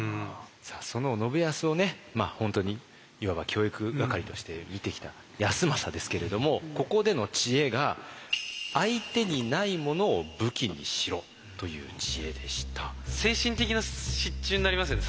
その信康を本当にいわば教育係として見てきた康政ですけれどもここでの知恵が精神的な支柱になりますよね